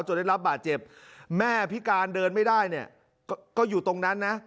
ได้รับบาดเจ็บแม่พิการเดินไม่ได้เนี่ยก็อยู่ตรงนั้นนะ